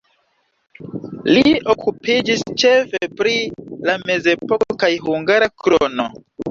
Li okupiĝis ĉefe pri la mezepoko kaj hungara krono.